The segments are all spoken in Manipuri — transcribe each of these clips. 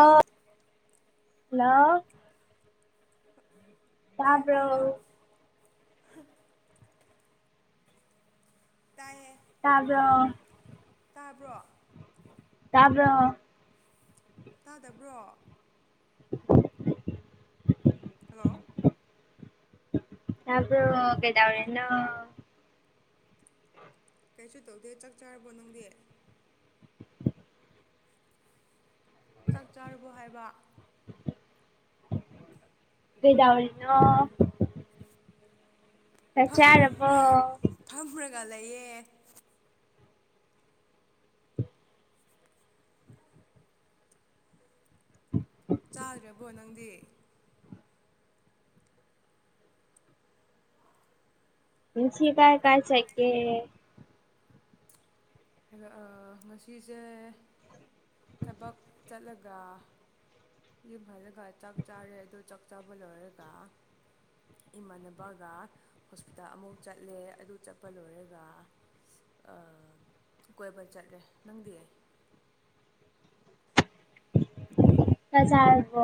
ꯍꯜꯂꯣ [unintelligible] ꯇꯄ꯭ꯔꯣ ꯍ ꯇꯥꯏꯌꯦ ꯑꯥꯗꯣ ꯇꯥꯕ꯭ꯔꯣ ꯇꯥꯕ꯭ꯔ ꯇꯥꯗꯕ꯭ꯔꯣ [inaudible] ꯍꯜꯂꯣ ꯑꯕ꯭ꯔꯣ ꯀꯩꯗꯔꯟꯅ ꯀꯩꯁꯨ ꯇꯧꯗꯦ ꯆꯥꯛ ꯆꯥꯔꯕꯣ ꯅꯪꯗꯦ ꯆꯥꯛ ꯆꯥꯔꯨꯕꯣ ꯍꯥꯏꯕ ꯀꯗꯥꯎꯅ ꯀ ꯆꯔꯕ ꯇꯌꯦ ꯎ ꯆꯥꯗꯔꯕꯣ ꯅꯪꯗꯤ ꯄꯨꯁꯤ ꯀꯥꯏ ꯀꯥꯏ ꯆꯀꯦ ꯉꯁꯤꯁꯦ ꯊꯕꯛ ꯆꯠꯂꯒ ꯏ ꯐꯜꯂꯒ ꯆꯥꯛ ꯆꯥꯔꯦ ꯑꯗꯨ ꯆꯥꯛ ꯆꯥꯕ ꯂꯧꯣꯏꯔꯦꯒ ꯏꯃꯥꯟꯅꯕꯒ ꯍꯣꯁꯄꯤꯇꯥꯜ ꯑꯃꯐꯥꯎ ꯆꯠꯂꯦ ꯑꯗꯨ ꯆꯠꯄ ꯂꯣꯏꯔꯒ ꯑ ꯀꯣꯏꯕꯔ ꯆꯠꯂꯦ ꯅꯪꯗꯤꯌꯦ ꯀꯖꯥꯔꯕꯣ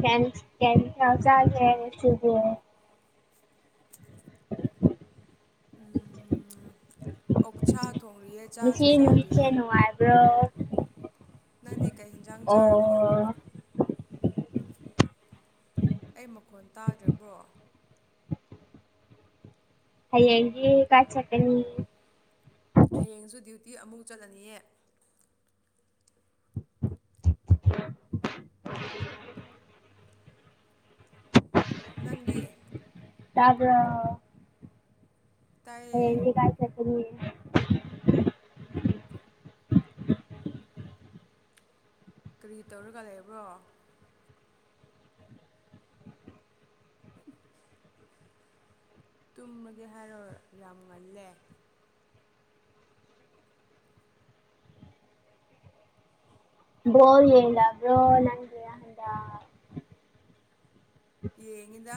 ꯀꯅꯤ ꯀꯅꯤ ꯆꯥꯁꯨꯨꯕ ꯎꯝ ꯑꯣꯛꯁꯥ ꯊꯣꯡꯔꯤꯌꯦ ꯆꯥꯁꯨ ꯉꯁꯤ ꯅꯨꯃꯤꯠꯁꯦ ꯆꯥꯗ꯭ꯔꯤꯌꯦ ꯅꯨꯡꯉꯥꯏꯕ꯭ꯔꯣ ꯅꯪꯗꯤ ꯀꯩ ꯌꯦꯟꯁꯥꯡ ꯑꯣ ꯆꯥꯔꯕꯣ ꯑꯩ ꯃꯈꯣꯟ ꯇꯥꯗ꯭ꯔꯕ꯭ꯔꯣ ꯍꯌꯦ ꯌꯦ ꯀꯥꯏ ꯆꯀꯅꯤ ꯍꯌꯦꯡꯁꯨ ꯗ꯭ꯌꯨꯇꯤ ꯑꯃꯨꯛ ꯆꯠꯂꯅꯤꯌꯦ ꯅꯪꯗꯤ ꯌꯥꯕ꯭ꯔꯣ ꯇꯥꯏꯌꯦ ꯍꯦꯗꯤ ꯀꯥꯏ ꯆꯈ ꯀꯔꯤ ꯇꯧꯔꯒ ꯂꯩꯕ꯭ꯔꯣ ꯇꯨꯝꯂꯒꯦ ꯍꯥꯏꯔ ꯌꯥꯝ ꯉꯜꯂꯦ [unintelligible] ꯌꯦꯂ ꯕ꯭ꯔꯣ ꯅꯪꯒ ꯍꯗ ꯌꯦꯡꯉꯤꯗ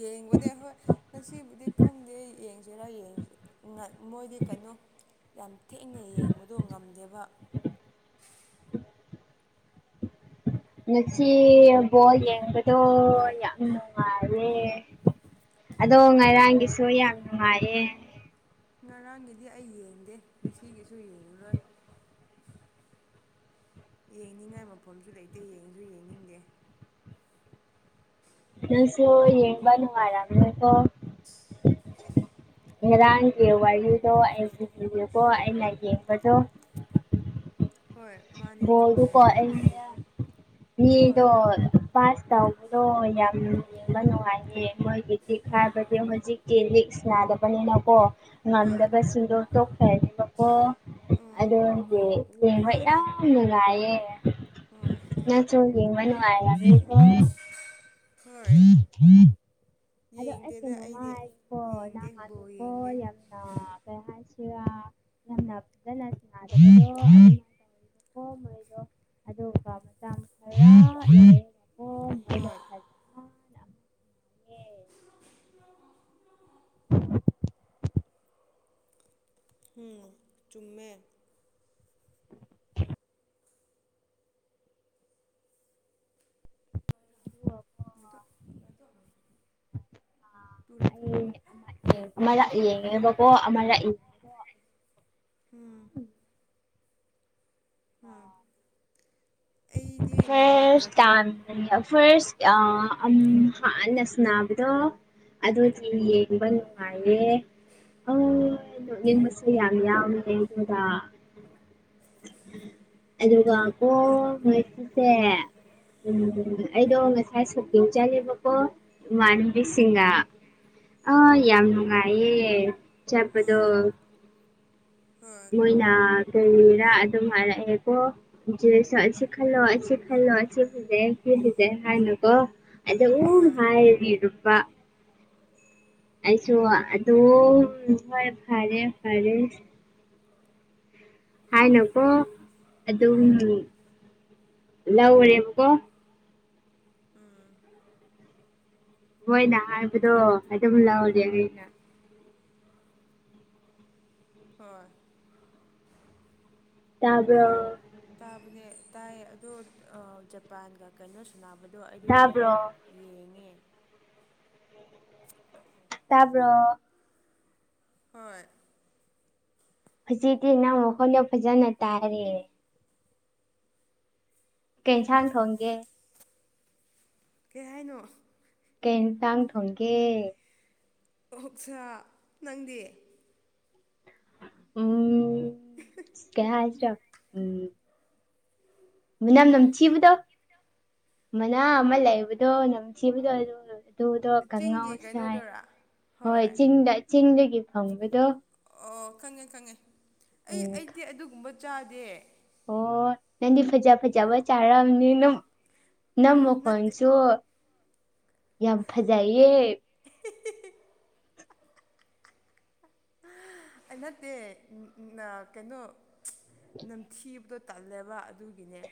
ꯌꯦꯡꯕꯅꯦ ꯍꯣꯏ ꯉꯁꯤꯕꯨꯗꯤ ꯈꯪꯗꯦ ꯁꯤꯁꯤꯔ ꯌꯦꯡꯁꯤ ꯃꯣꯏꯗꯤ ꯀꯩꯅꯣ ꯌꯥꯝ ꯊꯦꯡꯅ ꯌꯦꯡꯕꯗꯣ ꯉꯝꯗꯦꯕ [inaudible] ꯉꯁꯤ ꯕꯣꯜ ꯌꯦꯡꯕꯗꯣ ꯌꯥꯝ ꯅꯨꯡꯉꯥꯏꯔꯦ ꯑꯗꯣ ꯉꯥꯏꯔꯥꯡꯒꯤꯁꯨ ꯌꯥꯝ ꯅꯨꯡꯉꯥꯏꯌꯦ ꯉꯔꯥꯡꯒꯤꯗꯤ ꯑꯩ ꯌꯦꯡꯗꯦ ꯉꯁꯤꯒꯤꯁꯨ ꯌꯦꯡꯂꯡꯉꯨꯔꯣꯏ ꯌꯦꯡꯅꯤꯡꯉꯥꯏ ꯃꯐꯝꯁꯨ ꯂꯩꯇꯦ ꯌꯦꯡꯁꯨ ꯌꯦꯡꯅꯤꯡꯗꯦ ꯅꯁꯨꯣ ꯌꯦꯡꯕꯅ ꯑꯔꯝꯅꯀꯣ ꯍꯦꯔꯥꯡ ꯀ ꯋꯥꯗ ꯀꯣ ꯑꯩꯅ ꯕꯗꯣ [inaudible] ꯃꯥꯅꯦ ꯆꯨꯝꯃꯦ [inaudible] ꯀ ꯑꯗꯨꯕꯨꯗꯤ ꯍꯣꯏ ꯃꯤꯗꯣ ꯇꯧꯕꯗꯣ ꯌꯥꯝ ꯌꯦꯡꯕ ꯅꯨꯡꯉꯥꯏꯌꯦ ꯃꯣꯏꯒꯤ [unintelligible] ꯍꯥꯏꯥꯏꯕꯗꯤ ꯍꯧꯖꯤꯛꯇꯤ ꯂꯤꯛ ꯅꯥꯗꯕꯅꯤꯅꯀꯣ ꯍꯣꯏ ꯉꯝꯗꯕ ꯁꯤꯗꯣꯛ ꯇꯣꯛꯈꯕꯀꯣ ꯑꯣ ꯑꯗꯗꯤ ꯃꯥꯅꯦ ꯌꯥꯝ ꯃꯒꯑꯦ ꯍꯣꯏ ꯅꯆꯣꯡ ꯅꯨꯡꯉꯦ ꯍꯣꯏ ꯍꯝ ꯍꯝ ꯑꯗꯣ ꯑꯩ ꯌꯦꯡꯗꯦꯗ ꯑꯩꯗꯤ ꯀꯩꯅꯣꯉꯒꯦꯀꯣ ꯌꯦꯡꯗꯦ ꯕꯣꯜ ꯅꯍꯍꯥꯟꯗꯀꯣ ꯌꯦꯡꯗꯦ ꯌꯥꯝꯅ ꯀꯩ ꯍꯥꯏꯁꯤ ꯔ ꯌꯥꯝꯅ ꯐꯖꯅꯗꯕꯗꯣ ꯑꯗꯨꯃꯥꯏꯅ ꯇꯧꯔꯤꯕꯀꯣ ꯃꯣꯏꯗꯣ ꯑꯗ ꯀ ꯃ ꯍ [inaudible] [inaudible] ꯎꯝ ꯆꯨꯝꯃꯦ ꯑꯗꯨꯒꯀꯣ ꯃꯗꯣ ꯃꯗꯣ ꯑꯩ ꯌꯦ ꯕꯀꯣ ꯑꯃꯥ ꯏ ꯎꯝ ꯑꯝ ꯐꯦꯁ ꯇ ꯐꯦꯁ ꯑ ꯑꯝ ꯍꯥꯟꯅ ꯁꯅꯕꯤꯗ ꯑꯗꯨ ꯑꯣꯏꯗꯤ ꯌꯦꯡꯕ ꯅꯨꯡꯉꯥꯏꯌꯦ ꯑꯁꯔꯤ ꯌꯥꯕ ꯌꯥ ꯏꯗ ꯑꯦꯒ ꯑꯄꯣ [unintelligible] ꯎꯝ ꯑꯩꯗꯣ ꯉꯁꯥꯏ ꯁꯛꯇꯧ ꯆꯂꯦꯕꯀꯣ ꯏꯃꯥꯟꯅꯕꯤꯁꯤꯡꯒ ꯑ ꯌꯥꯝ ꯅꯨꯡꯉꯥꯏꯌꯦ ꯆꯠꯄꯗꯣ ꯎꯝ ꯍꯣꯏ ꯃꯣꯏꯅꯥ ꯀꯔꯤꯔꯥ ꯑꯗꯨꯝ ꯍꯥꯏꯔꯛꯑꯦꯀꯣ ꯦꯁ ꯑꯁꯤ ꯈꯜꯂꯣ ꯑꯁꯤ ꯈꯜꯂꯣ ꯑꯁꯤ ꯈꯜꯂꯛꯑꯦ [unintelligible] ꯂꯤꯁꯦ ꯍꯥꯏꯅꯨꯀꯣ ꯍꯥꯏꯗꯤ ꯎ ꯍꯣꯏ ꯍꯥꯏꯔꯤ ꯅꯨꯨꯄꯥ ꯑꯩꯁꯨ ꯑꯗꯨ ꯑꯗꯨ ꯍꯣꯏ ꯐꯔꯦ ꯐꯔꯦ ꯍꯥꯏꯅꯀꯣ ꯑꯗꯨꯝ ꯂꯧꯎꯔꯦ ꯃꯀꯣ ꯍꯣꯏꯅ ꯍꯥꯏꯕꯗꯣ ꯑꯗꯨꯝ ꯂꯧꯔꯦ ꯑꯩꯩꯅ ꯍꯣꯏ ꯇꯕ ꯇꯥꯕꯅꯦ ꯇꯥꯏꯌꯦ ꯑꯣ ꯖꯄꯥꯟꯒ ꯀꯩꯅꯣ ꯁꯥꯟꯕꯗꯣ ꯑꯩꯗꯣ ꯇꯥꯕ꯭ꯔꯣ ꯌꯦꯡꯉꯦ ꯇꯕꯔ ꯍꯣꯏ ꯐꯖꯤꯗꯤꯤ ꯅꯪ ꯃꯈꯣꯏꯅ ꯐꯖꯅ ꯇꯥꯏꯔ ꯀꯦꯟꯟꯁꯥꯡ ꯊꯣꯡꯒꯦ ꯀꯩ ꯍꯥꯏꯅꯣ ꯀꯩꯅ ꯇꯥꯡ ꯊꯣꯡꯒꯦ ꯑꯣꯛꯁꯥ ꯅꯪꯗꯤ ꯎꯝ ꯀ ꯍꯥꯏꯁꯤꯔ ꯎꯝ ꯃꯅꯝ ꯅꯝꯊꯤꯕꯗꯣ ꯃꯅꯥ ꯃꯅꯝ ꯑꯃ ꯅꯝ ꯂꯩꯕꯗꯣ ꯅꯝꯊꯤꯕꯗꯣ ꯗ ꯀꯥꯡꯉꯥꯎ ꯆꯤꯡꯒꯤ ꯁꯥꯏ ꯀꯩꯅꯣꯗꯨꯔꯥ ꯍꯣꯏ ꯆꯤꯡꯗ ꯆꯤꯡꯗꯒꯤ ꯐꯪꯕꯗꯣ ꯑꯣ ꯈꯪꯉꯦ ꯈꯪꯉꯦ ꯑꯩ ꯎꯝ ꯑꯩꯗꯤ ꯑꯗꯨꯒꯨꯝꯕ ꯆꯥꯗꯦ ꯑꯣ ꯅꯪꯗꯤ ꯐꯖ ꯐꯖꯕ ꯆꯥꯔꯛꯑꯕꯅꯤ ꯑꯗꯨꯝ ꯅꯝ ꯅꯠꯇꯦ ꯃꯈꯀꯣꯟꯁꯨ ꯌꯥꯝ ꯐꯖꯩꯌꯦ ꯑꯩ ꯅꯠꯇꯦ ꯀꯩꯅꯣ ꯅꯝꯊꯤꯕꯗꯣ ꯇꯜꯂꯦꯕ ꯑꯗꯨꯒꯤꯅꯦ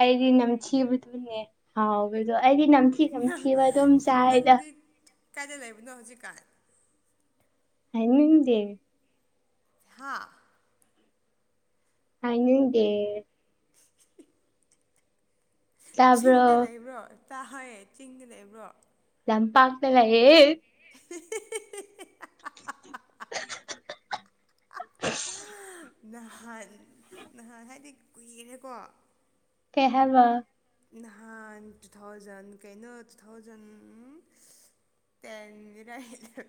ꯑꯩꯗꯤ ꯅꯝ ꯆꯤꯕꯅꯦ ꯍꯥꯎ ꯑꯗ ꯑꯩꯗꯤ ꯅꯝꯊꯤ ꯅꯝꯊꯤꯕ ꯑꯗꯨꯝ ꯆꯥꯏꯗ ꯅꯪꯗꯤ ꯀꯥꯏꯗ ꯂꯩꯕꯅꯣ ꯍꯧꯖꯤꯛꯀꯥꯟ ꯍꯗꯤꯦ ꯍꯥꯥ ꯍ ꯏꯗꯦ ꯇꯥꯕ꯭ꯔꯣ ꯆꯤꯡꯗ ꯂꯩꯕ꯭ꯔꯣ ꯆꯥꯍꯌꯦ ꯆꯤꯡꯗ ꯂꯩꯕ꯭ꯔꯣ ꯂꯝꯟꯄꯥꯥꯛꯂꯒꯌꯦ [inaudible] [inaudible] ꯅꯍꯥꯟ ꯅꯍꯥꯟ ꯍꯥꯏꯗꯤ ꯀꯨꯏꯔꯔꯦꯀꯣ ꯀꯍꯋꯥ ꯅꯍꯥꯟ ꯇꯨ ꯊꯥꯎꯖꯟ ꯀꯩꯅꯣ ꯇꯨ ꯊꯥꯎꯖꯟ ꯇꯦꯟꯗꯔ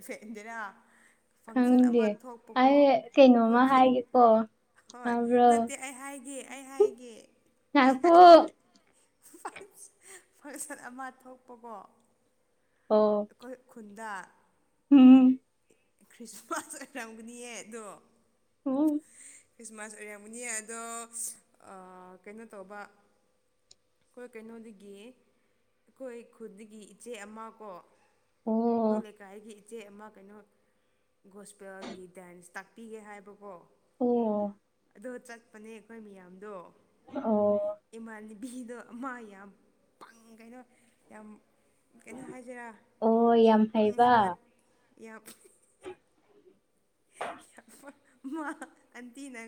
ꯇꯦꯗꯔꯥ ꯈꯪꯗꯦ ꯑꯩ ꯀꯩꯅꯣꯃ ꯈꯨ ꯍꯥꯏꯒꯦꯀꯣ ꯍꯣꯏ ꯇꯥꯕ꯭ꯔꯣ ꯅꯠꯇꯦ ꯑꯩ ꯍꯥꯏꯒꯦ ꯑꯩ ꯍꯥꯏꯒꯦ ꯑꯩ ꯍꯥꯏꯒꯦ ꯐꯪꯁꯟ ꯑꯃ ꯊꯣꯛꯄꯀꯣ ꯑꯣ ꯑꯩꯈꯣꯏ ꯈꯨꯟꯗꯥ ꯎꯝ ꯈ꯭ꯔꯤꯁꯃꯥꯁ ꯑꯣꯏꯔꯝꯒꯅꯤꯌꯦ ꯑꯗꯣ ꯎꯝ ꯈ꯭ꯔꯤꯁꯃꯥꯁ ꯑꯣꯏꯔꯝꯒꯅꯤ ꯑꯗꯣ ꯀꯩꯅꯣ ꯇꯧꯕ ꯑꯩꯈꯣꯏ ꯀꯩꯅꯣꯗꯒꯤ ꯑꯩꯈꯣꯏ ꯈꯨꯒꯤ ꯏꯆꯦ ꯑꯃ ꯀꯣ ꯀꯣꯏ ꯑꯣ ꯂꯩꯀꯥꯏꯒ ꯏꯆꯦ ꯑꯃ ꯀꯩꯅꯣ ꯒꯣꯁꯄꯦꯜꯒꯤ ꯗꯥꯟꯁ ꯇꯥꯛꯄꯤꯒꯦ ꯍꯥꯏꯕꯀꯣ ꯑꯣ ꯑꯗꯣ ꯆꯠꯄꯅꯦ ꯑꯩꯈꯣꯏ ꯃꯤꯌꯥꯝꯗꯣ ꯑꯣ ꯏꯃꯥꯟꯅꯕꯤꯗꯣ ꯃꯥ ꯌꯥꯝꯪ ꯀꯩꯅꯣ ꯌꯥꯝ ꯀꯩꯅꯣ ꯍꯥꯏꯁꯤꯔꯥ ꯑꯣ ꯌꯥꯝ ꯍꯩꯕ ꯄꯪꯉꯦꯕ ꯌꯥꯝ ꯑꯟꯇꯤꯅ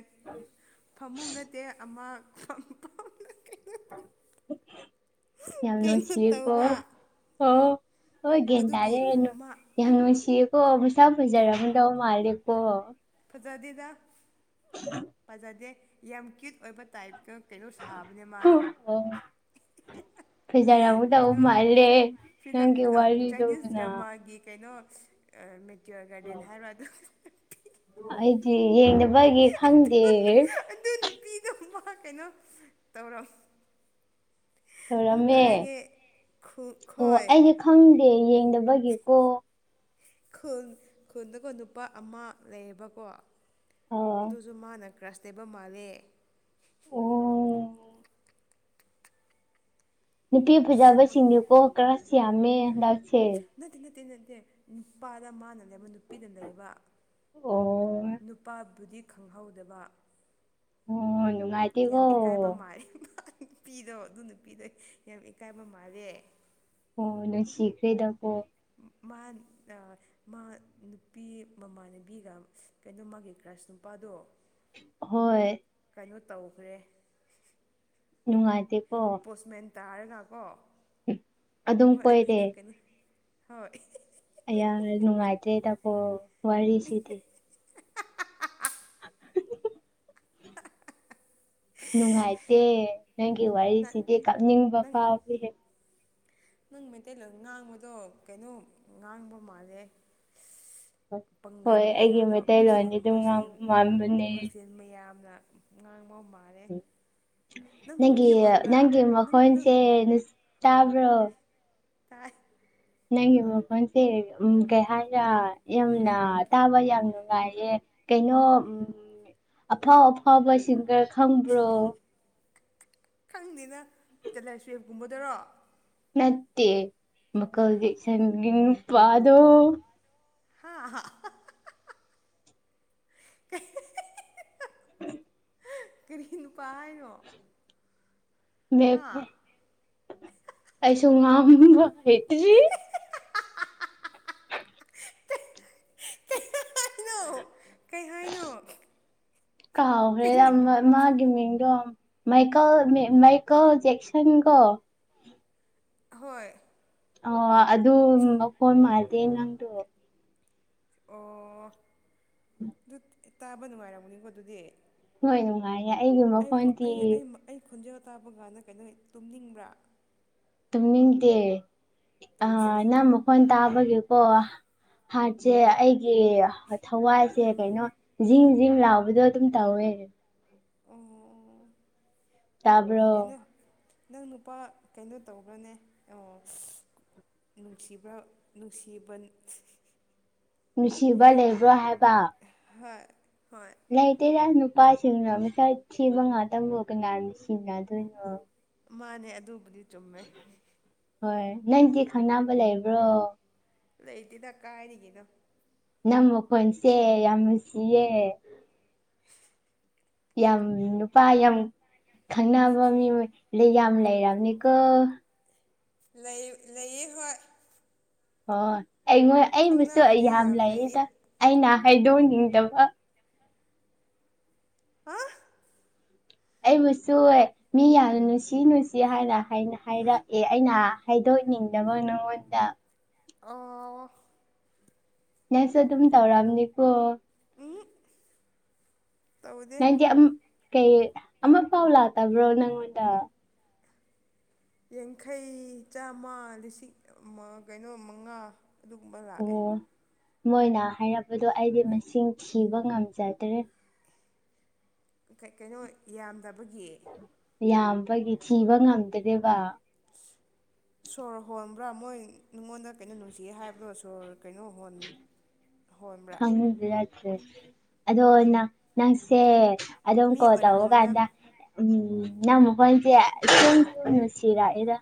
ꯐꯃꯨꯡ ꯅꯠꯇꯦ ꯑꯃ ꯍ ꯌꯥꯝ ꯅꯨꯡꯁꯤꯌꯦꯀꯣ ꯑꯣ ꯍꯣꯏ ꯒꯦꯟ ꯑꯗꯨꯒꯤ ꯇꯥꯔꯦꯅ ꯃꯥ ꯌꯥꯝ ꯅꯨꯡꯁꯤꯌꯦ ꯀꯣ ꯃꯁꯛ ꯐꯖꯔꯝꯗꯧ ꯃꯥꯜꯂꯦꯀꯣ ꯐꯖꯗꯦꯗ ꯐꯖꯗꯦ ꯌꯥꯝ ꯀ꯭ꯌꯨꯠ ꯑꯣꯏꯕ ꯇꯥꯏꯞꯀ ꯀꯩꯅꯣ ꯁꯥꯕꯅꯦ ꯃꯥꯗꯣ ꯐꯖꯥꯔꯝꯒꯗꯧ ꯀꯩꯅꯣ ꯃꯥꯜꯂꯦ ꯐꯤꯂꯝ ꯅꯪꯒꯤ ꯋꯥꯔꯤꯗꯨꯅ ꯑ ꯃꯦꯠꯇꯨꯔ ꯒꯥꯔꯗꯦꯟ ꯍꯥꯏꯕꯔ ꯑꯗꯨ ꯑꯩꯗꯤ ꯌꯦꯡꯗꯕꯒꯤ ꯈꯪꯗꯦ ꯑꯗꯨꯨꯝꯕ ꯀꯩꯅꯣ ꯇꯧꯔꯝ ꯑꯃꯨꯛꯀ ꯂꯣꯏꯔꯝꯃꯦ ꯍꯥꯏꯒꯦ ꯑꯣ ꯈꯣꯏ ꯑꯩꯗꯤ ꯈꯪꯗꯦ ꯌꯦꯡꯗꯕꯒꯤ ꯒꯤꯀꯣ ꯈꯨꯜ ꯈꯨꯜꯗꯀꯣ ꯅꯨꯄꯥ ꯑꯃ ꯂꯩꯌꯦꯕꯀꯣ ꯑꯣ ꯑꯗꯨꯁꯨ ꯃꯥꯅ ꯔꯁꯇꯦꯕ ꯃꯥꯜꯂꯦ ꯑꯣ ꯅꯨꯄꯤ ꯐꯖꯕꯁꯤꯡꯗꯨꯀꯣ ꯀꯔꯁ ꯌꯥꯝꯃꯦ ꯗ ꯅꯠꯇꯦ ꯅꯠꯇꯦ ꯅꯠꯇꯦ ꯅꯨꯄꯥꯗ ꯃꯥ ꯅ ꯃꯅꯕ ꯅꯨꯄꯤꯗ ꯂꯩꯕ ꯑꯣ ꯅꯨꯄꯥꯕꯨꯗꯤ ꯈꯪꯍꯧꯗꯕ ꯑꯣ ꯅꯨꯡꯉꯥꯏꯇꯦꯀꯣ ꯌꯥꯝ ꯏꯀꯥꯏꯕ ꯃꯥꯔꯤ ꯄꯤꯗꯣ ꯑꯗꯨ ꯅꯨꯞꯄꯤꯗꯣꯏ ꯌꯥꯝ ꯏꯀꯥꯏꯕ ꯃꯥꯜꯂꯦ ꯑꯣ ꯅꯣꯏ ꯁꯤꯈ꯭ꯔꯦꯗꯀꯣ ꯎꯝ ꯃꯥ ꯑ ꯃꯥ ꯅꯨꯄꯤ ꯃꯃꯥꯟꯅꯕꯤꯒ ꯀꯩꯅꯣ ꯃꯥꯒꯤ ꯀ꯭ꯔꯥꯁ ꯅꯨꯄꯥꯗꯣ ꯍꯣꯏ ꯀꯩꯅꯣ ꯇꯧꯈ꯭ꯔꯦ ꯅꯨꯡꯉꯥꯏꯇꯦ ꯄꯣꯁꯃꯦꯟ ꯇꯥꯔꯒꯀꯣ ꯑꯗꯨꯝ ꯃꯣꯏ ꯑꯅꯤꯗꯨ ꯀꯩꯅꯣ ꯍꯣꯏ ꯑꯩꯌꯥ ꯅꯨꯡꯉꯥꯏꯇ꯭ꯔꯦ ꯗꯀꯣ ꯋꯥꯔꯤꯁꯤꯗꯤ ꯅꯨꯡꯉꯥꯏꯇꯦ ꯅꯪꯒꯤ ꯅꯪ ꯋꯥꯔꯤꯁꯤꯗꯤ ꯀꯞꯅꯤꯡꯕ ꯅꯪ ꯐꯥꯎꯏꯍꯦ ꯅꯪ ꯃꯩꯇꯩꯂꯣꯟ ꯉꯥꯡꯕꯗꯣ ꯀꯩꯅꯣ ꯉꯥꯡꯕ ꯃꯥꯜꯂꯦ ꯄꯥꯡꯒꯜ ꯍꯣꯏ ꯑꯩꯒꯤ ꯃꯌꯥꯝꯅ ꯃꯨꯁꯂꯤꯝ ꯃꯩꯇꯩꯂꯣꯟꯗꯤ ꯑꯗꯨꯝ ꯃꯨꯁꯂꯤꯝ ꯉꯥꯡꯕ ꯃꯥꯟꯕꯅꯦ ꯃꯨꯁꯂꯤꯝ ꯃꯌꯥꯝ ꯗ ꯉꯥꯡꯕ ꯃꯥꯜꯂꯦ ꯅꯪ ꯅꯪꯒꯤ ꯀꯨꯀꯤ ꯑꯣꯏꯕ꯭ꯔꯥ ꯅꯪꯒꯤ ꯅꯪ ꯅꯪ ꯃꯈꯣꯟꯁꯦ ꯅꯁ ꯍꯣꯏ ꯇꯥꯕ꯭ꯔꯣ ꯇꯥꯏ ꯅꯪꯒꯤ ꯃꯈꯣꯟꯁꯦ ꯎꯝ ꯀꯩ ꯍꯥꯏꯔ ꯌꯥꯝꯅ ꯇꯥꯕ ꯌꯥꯝ ꯅꯨꯡꯉꯥꯏꯌꯦ ꯀꯩꯅꯣ ꯎꯝ ꯑꯐꯥꯎ ꯑꯐꯥꯎꯕ ꯁꯤꯡꯒꯔ ꯈꯪꯕ꯭ꯔꯣ ꯈꯪꯗꯦꯅ ꯇꯦꯂꯔ ꯁꯋꯦꯞꯀꯨꯝꯕꯗꯨꯔꯣ ꯅꯠꯇꯦ ꯃꯀꯜꯒꯤ ꯁꯦꯡꯒꯤꯡ ꯅꯨꯄꯥꯗꯣ ꯍꯥꯥ ꯀꯩ ꯀꯔꯤ ꯅꯨꯄꯥ ꯍꯥꯏꯅꯣ ꯃꯦꯞ ꯍꯥ ꯑꯩꯁꯨ ꯉꯥꯡꯕ ꯍꯩꯇꯔꯦ꯫ ꯀꯩ ꯍꯥꯏꯅꯣ ꯀꯩ ꯍꯥꯏꯅꯣ ꯀꯩ ꯀꯥꯎꯈ꯭ꯔꯦꯗ ꯃꯥꯒꯤ ꯃꯤꯡꯗꯣ ꯃꯥꯏꯀꯜ ꯃꯦ ꯃꯥꯏꯀꯜ ꯖꯦꯛꯁꯟꯒꯣ ꯍꯣꯏ ꯑꯧ ꯑꯗꯨ ꯃꯈꯣꯜ ꯃꯥꯜꯗꯦ ꯅꯪꯗꯣ ꯑꯣ ꯑꯗꯨ ꯇꯥꯕ ꯅꯨꯡꯉꯥꯏꯔꯃꯅꯤꯀꯣ ꯑꯗꯨꯗꯤ ꯍꯣꯏ ꯅꯨꯡꯉꯥꯏꯌꯦ ꯑꯩꯒꯤ ꯑꯩꯕꯨ ꯃꯈꯣꯟꯇꯤ ꯑꯩ ꯑꯩ ꯑꯩ ꯈꯣꯟꯖꯦꯜ ꯇꯥꯕ ꯀꯥꯟꯅ ꯀꯩꯅꯣ ꯇꯨꯝꯅꯤꯡꯕ꯭ꯔꯥ ꯇꯨꯝꯅꯤꯡꯗꯦ ꯇꯨꯝ ꯅꯪ ꯃꯈꯣꯟ ꯇꯥꯕꯒꯤꯦꯀꯣ ꯍꯥꯔꯠꯁꯦ ꯑꯩꯒꯤ ꯊꯋꯥꯏꯁꯦ ꯀꯩꯅꯣ ꯖꯤꯡ ꯖꯤꯡ ꯂꯥꯎꯕꯗꯣ ꯑꯗꯨꯝ ꯇꯧꯋꯦ ꯍ ꯑꯣ ꯑꯣ ꯇꯥꯕ꯭ꯔꯣ ꯀꯩꯅꯣ ꯅꯪ ꯅꯨꯄꯥ ꯀꯩꯅꯣ ꯇꯧꯕ꯭ꯔꯅꯦ ꯑꯣ ꯅꯨꯡꯁꯤꯕ꯭ꯔ ꯅꯨꯡꯁꯤꯕꯟ ꯅꯨꯡꯁꯤꯕ ꯂꯩꯕ꯭ꯔꯣ ꯍꯥꯏꯕ ꯍꯣꯏ ꯍꯣꯏ ꯂꯩꯇꯇꯩ ꯇꯥꯁ ꯅꯨꯄꯥꯁꯤꯡꯅꯣ ꯈꯔ ꯊꯤꯕ ꯉꯥꯛꯇꯕꯕꯨ ꯀꯅꯥ ꯁꯤꯅꯗꯣꯏꯅꯣ ꯃꯥꯅꯦ ꯑꯗꯨꯕꯨꯗꯤ ꯆꯨꯝꯃꯦ ꯍꯣꯏ ꯅꯪꯗꯤ ꯈꯪꯅꯕ ꯂꯩꯕ꯭ꯔꯣ ꯂꯩꯇꯤꯗ ꯀꯥꯏꯔꯤꯉꯗꯣ ꯅꯝ ꯃꯈꯣꯟꯁꯦ ꯌꯥꯝ ꯨꯁꯤꯌꯦ ꯌꯥꯝ ꯅꯨꯄꯥ ꯌꯥꯝ ꯈꯪꯅꯕ ꯃꯤ ꯂꯩ ꯌꯥꯝ ꯂꯩꯔꯕꯅꯤꯀꯣ ꯂꯩ ꯂꯩ ꯍꯣꯏ ꯍꯣꯏ ꯑꯩꯉꯣꯏ ꯑꯩꯕꯨꯨ ꯈꯪꯅꯕꯕꯨꯗꯤ ꯌꯥꯝ ꯂꯩꯌꯦ ꯂꯩꯗ ꯑꯩꯅ ꯍꯥꯏꯗꯣꯛꯅꯤꯡꯗꯕ ꯍꯥ ꯑꯩꯕꯨꯁꯨ ꯃꯤ ꯌꯥꯝ ꯅꯨꯡꯁꯤ ꯅꯨꯡꯁꯤ ꯍꯥꯏꯅ ꯍꯥꯏꯔꯛꯑꯦ ꯑꯩꯅ ꯍꯥꯏꯗ ꯑꯣꯏꯅꯤꯡꯗꯕ ꯅꯪꯉꯣꯟꯗ ꯑ ꯅꯁ ꯑꯗꯨꯝ ꯊꯧꯔꯑꯝꯅꯤꯀꯣ ꯎꯝ ꯇꯧꯗꯦ ꯅꯪꯗꯤ ꯀꯩ ꯑꯃ ꯄꯥꯎ ꯂꯥꯛꯇꯕ꯭ꯔꯣ ꯅꯪꯉꯣꯟꯗ ꯌꯥꯡꯈꯩ ꯆꯥꯝꯃ ꯂꯤꯁꯤꯡ ꯑꯃ ꯀꯩꯅꯣ ꯃꯉꯥ ꯑꯗꯨꯒꯨꯝꯕ ꯂꯥꯛꯑꯦ ꯑꯣ ꯃꯣꯏꯅ ꯍꯥꯏꯔꯛꯄꯗꯣ ꯑꯩꯗꯤ ꯃꯁꯤꯡ ꯊꯤꯕ ꯉꯝꯖꯗ꯭ꯔꯦ ꯀꯩꯅꯣ ꯌꯥꯝꯗꯕꯒꯤ ꯌꯥꯝꯕꯒꯤ ꯊꯤꯕ ꯉꯝꯗ꯭ꯔꯦꯕ ꯁꯣꯔ ꯍꯣꯟꯕ꯭ꯔꯥ ꯃꯣꯏ ꯅꯉꯣꯟꯗ ꯀꯩꯅꯣ ꯅꯨꯡꯁꯤꯒꯦ ꯍꯥꯏꯕꯗꯣ ꯁꯣꯔ ꯀꯩꯅꯣ ꯍꯣꯟ ꯎ ꯈꯪꯕ ꯌꯥ꯭ꯔꯦ ꯑꯗꯣ ꯅꯪ ꯅꯪꯁꯦ ꯑꯗꯨꯗ ꯃꯤ ꯑꯣꯏꯔꯝꯃꯣꯏꯗ ꯀꯣꯇꯥꯒꯗ ꯎꯝ ꯅ ꯃꯈꯈꯣꯏꯁꯦ ꯁꯨꯝ ꯁꯨꯅꯅꯨꯡꯁꯤꯔꯛꯑꯔ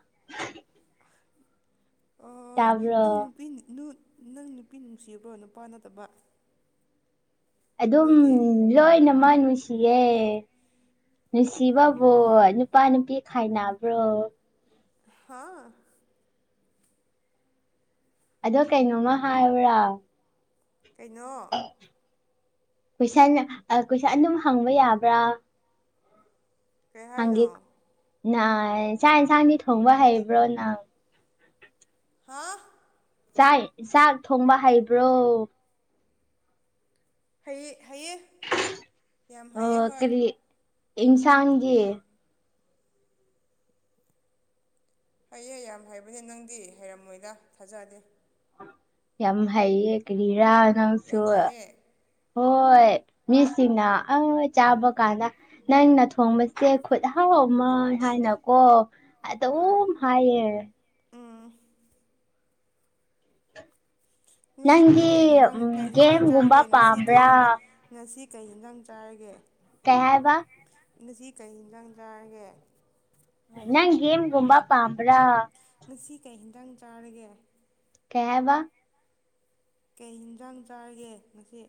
ꯑꯣ ꯇꯥꯕ꯭ꯔ ꯅꯪ ꯅꯨꯄꯤ ꯅꯪ ꯅꯨꯄꯤ ꯅꯨꯡꯁꯤꯔꯕ꯭ꯔꯣ ꯅꯨꯄꯥ ꯅꯠꯇꯕ ꯑꯗꯨꯝ ꯑꯗꯨꯗꯤ ꯂꯣꯏꯅꯃꯛ ꯅꯨꯡꯁꯤꯌꯦꯦ ꯑꯣ ꯅꯨꯡꯁꯤꯕꯕꯨꯣ ꯅꯨꯄꯥ ꯅꯨꯄꯤ ꯈꯥꯏꯅꯕ꯭ꯔꯣ ꯍꯥꯥ ꯑꯗꯣ ꯀꯩꯩꯅꯣꯃ ꯍꯥꯕ꯭ꯔꯥ ꯀꯩꯅꯣ ꯀꯣꯏꯁꯟ ꯀꯣꯏꯁꯟ ꯑꯗꯨꯝ ꯍꯪꯕ ꯌꯥꯕ꯭ꯔꯥ ꯍꯪꯒꯦ ꯄꯦꯔꯥꯏꯗ ꯅ ꯆꯥꯛ ꯏꯟꯁꯥꯡꯗꯤ ꯊꯣꯡꯕ ꯍꯩꯕ꯭ꯔꯣ ꯅꯪ ꯍꯥ ꯆꯥꯛ ꯆꯥꯛ ꯊꯣꯡꯕ ꯍꯩꯕ꯭ꯔꯣ ꯍꯥꯏꯌꯦ ꯌꯥꯝ ꯍꯥꯏꯩꯑ ꯍꯣꯏ ꯏꯟꯁꯥꯟꯒ ꯍꯩꯌꯦ ꯌꯥꯝ ꯍꯥꯏꯕꯅꯦ ꯅꯪꯗꯤ ꯍꯩꯔꯝꯃꯣꯏꯗ ꯊꯥꯖꯗꯦ ꯌꯥꯝ ꯍꯩꯌꯦ ꯀꯔꯤꯔꯥ ꯅꯪꯁꯨ ꯌꯥꯝ ꯐꯩꯌꯦ ꯍꯣꯏ ꯃꯤꯁꯤꯡꯅ ꯆꯥꯕ ꯀꯥꯟꯗ ꯅꯪꯅ ꯊꯣꯡꯕꯁꯦ ꯈꯨꯠꯥꯎ ꯣ ꯑꯃ ꯍꯥꯏꯅꯀꯣ ꯑꯗꯨ ꯍꯣꯏ ꯑꯗꯨꯝ ꯍꯥꯏꯌꯦ ꯎꯝ ꯉꯁꯤꯕꯨꯗꯤ ꯀ ꯅꯪꯗꯤ ꯀꯩ ꯎꯝ ꯍꯤꯟꯖꯥꯡ ꯒꯦꯝꯒꯨꯝꯕ ꯆꯥꯔꯒꯦ ꯉꯁꯤ ꯀꯩ ꯄꯥꯝꯕ꯭ꯔꯥ ꯉꯁꯤ ꯀꯩ ꯍꯟꯗꯪ ꯆꯥꯔꯒꯦ ꯀꯌꯥ ꯍꯥꯏꯕ ꯉꯁꯤ ꯀꯩ ꯌꯦꯟꯖꯥꯡ ꯆꯥꯔꯒꯦ ꯅꯪ ꯦꯝꯒꯨꯝꯕ ꯄꯥꯝꯕ꯭ꯔꯥ ꯉꯁꯤ ꯀꯩ ꯍꯦꯟꯖꯥꯡ ꯆꯥꯔꯒꯦ ꯀꯦꯕ ꯀꯩ ꯌꯦꯟꯖꯥꯡ ꯆꯥꯔꯒꯦ ꯉꯁꯤ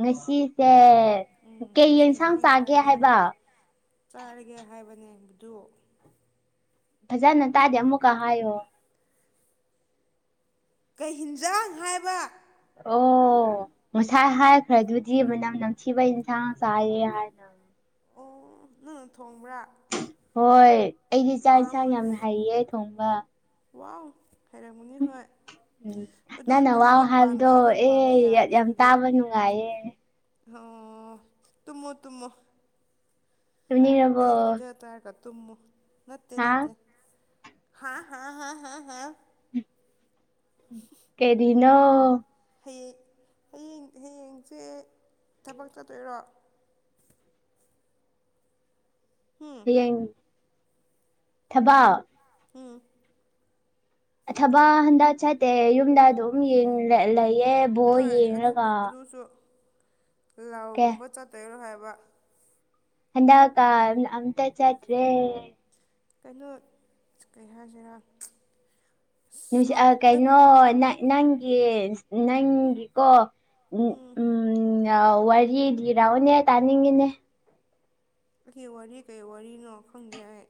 ꯉꯁꯤꯁꯦ ꯎꯝ ꯀꯩ ꯌꯦꯟꯁꯥꯡ ꯍꯤꯟꯖꯥꯡ ꯆꯥꯒꯦ ꯆꯥꯔꯒꯦ ꯍꯥꯏꯕ ꯆꯥꯔꯒꯦ ꯍꯥꯏꯕꯅꯦ ꯃꯗꯨ ꯐꯖꯅ ꯇꯥꯖꯦ ꯑꯃꯨꯛꯀ ꯍꯥꯏꯣ ꯀꯩ ꯍꯤꯟꯖꯥꯡ ꯍꯥꯏꯕ ꯑꯣ ꯉꯁꯥꯏ ꯍꯥꯏꯈ꯭ꯔꯗꯨꯗꯤ ꯃꯅꯝ ꯅꯝꯊꯤꯕ ꯌꯦꯟꯁꯥꯡ ꯆꯥꯏꯌꯦ ꯍꯥꯏꯅ [unintelligible] [inaudible] ꯎ [unintelligible] [inaudible] ꯍꯣꯏ ꯑꯩꯗꯤ ꯆꯥꯛ ꯏꯟꯁꯥꯡ ꯌꯥꯝ ꯍꯩꯌꯦ ꯊꯣꯡꯕ ꯋꯥ ꯍꯥꯏꯩꯔꯝꯃꯨꯅꯤ ꯍꯣꯏ ꯎꯝ ꯑꯗꯨ ꯅꯪꯅ ꯌꯨꯝ ꯋꯥꯍꯥꯟꯕꯗꯣ ꯄꯥꯟꯕ ꯌꯨꯝ ꯄꯥꯟꯕ ꯑꯦ ꯌꯥꯔꯅꯤ ꯌꯥꯝ ꯑꯗꯨꯗꯤ ꯇꯥꯕ ꯅꯨꯡꯉꯥꯏꯌꯦ ꯑꯣ ꯇꯃꯣ ꯇꯨꯝꯃꯣ ꯏꯅꯤꯕꯣ ꯇꯃ ꯅꯠꯇꯦ ꯅꯠꯇꯦ ꯍꯥ ꯍꯥ ꯍꯥ ꯍꯥ ꯀꯦꯗꯅꯣ ꯍꯌꯦꯡ ꯍꯌꯦꯡ ꯍꯌꯦꯡꯁꯦ ꯊꯕꯛ ꯆꯠꯇꯣꯏꯔꯣ ꯍꯨꯝ ꯍꯌꯦꯡ ꯊꯕ ꯍꯨꯝ ꯊꯕ ꯍꯟꯗ ꯆꯥꯏꯠꯇꯦ ꯌꯨꯝꯗ ꯑꯗꯨꯝ ꯂꯩ ꯑꯦ ꯣꯦ ꯍꯣꯏ ꯏ ꯑꯗꯨꯕꯨ ꯀꯥ ꯑꯗꯨꯁꯨ ꯂꯥꯎꯒꯨꯝꯕ ꯆꯠꯇꯣꯏꯔꯣ ꯍꯥꯏꯕ ꯍꯗꯑ ꯀꯥ ꯑꯝꯇ ꯆꯥꯇ꯭ꯔꯦ ꯀꯩꯅꯣ ꯀꯩ ꯍꯥꯏꯁꯤꯔꯥ ꯅꯨꯡꯁꯤꯠ ꯂꯧꯕꯨꯛꯇ ꯀꯩꯅꯣ ꯀꯩ ꯅꯪꯒꯤ ꯅꯪꯒꯤꯀꯣ ꯎꯝ ꯎꯝ ꯋꯥꯔꯤ ꯂꯤꯔꯥꯛꯑꯣꯅꯦ ꯇꯥꯅꯤꯡꯉꯤꯅꯦ ꯑꯩꯒꯤ ꯋꯥꯔꯤ ꯀꯔꯤ ꯋꯥꯔꯤꯅꯣ ꯈꯪꯗꯦ ꯑꯩ